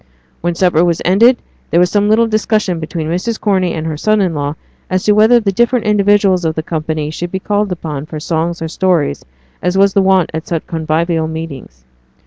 When supper was ended, there was some little discussion between Mrs. Corney and her son in law as to whether the different individuals of the company should be called upon for songs or stories, as was the wont at such convivial meetings.